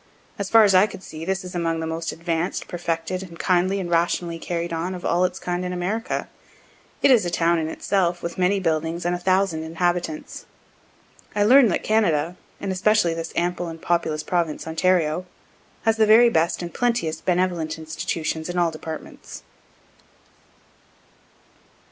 As far as I could see, this is among the most advanced, perfected, and kindly and rationally carried on, of all its kind in America. It is a town in itself, with many buildings and a thousand inhabitants. I learn that Canada, and especially this ample and populous province, Ontario, has the very best and plentiest benevolent institutions in all departments.